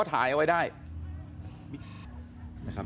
โอ้โหยังไม่หยุดนะครับ